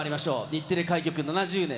日テレ開局７０年